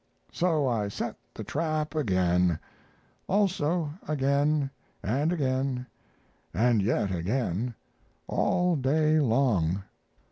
So I set the trap again. Also again, & again, & yet again all day long.